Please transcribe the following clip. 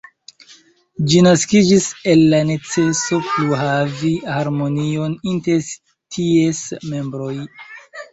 Ĝi naskiĝis el la neceso pluhavi harmonion inter ties membroj.